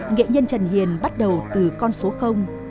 nghệ nhân trần hiền bắt đầu từ con số